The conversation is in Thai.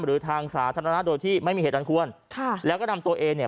หรือทางสาธารณะโดยที่ไม่มีเหตุอันควรค่ะแล้วก็นำตัวเองเนี่ย